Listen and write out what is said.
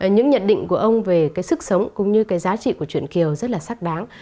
những nhận định của ông về cái sức sống cũng như cái giá trị của truyền kiều rất là xác đáng